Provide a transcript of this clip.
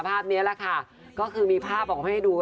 ภาพนี้แหละค่ะก็คือมีภาพออกมาให้ดู